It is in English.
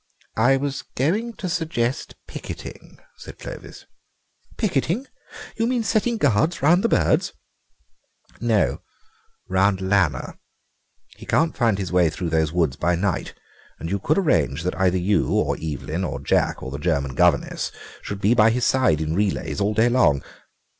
"I was going to suggest picketing," said Clovis. "Picketing! You mean setting guards round the birds?" "No; round Lanner. He can't find his way through those woods by night, and you could arrange that you or Evelyn or Jack or the German governess should be by his side in relays all day long.